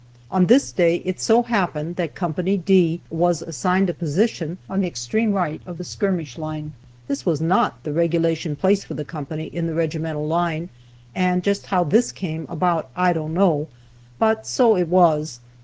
On this day it so happened that Co. D was assigned a position on the extreme right of the skirmish line. This was not the regulation place for the company in the regimental line, and just how this came about I don't know, but so it was.